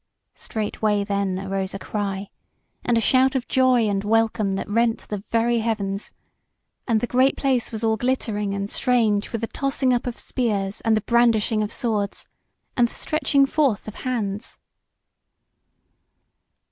Straightway then arose a cry, and a shout of joy and welcome that rent the very heavens, and the great place was all glittering and strange with the tossing up of spears and the brandishing of swords, and the stretching forth of hands.